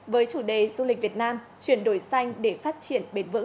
với chủ đề du lịch việt nam chuyển đổi xanh để phát triển